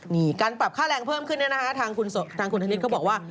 นี่การปรับค่าแรงเพิ่มขึ้นทางคุณธนิดเขาบอกว่า